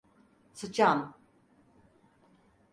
Sıçan…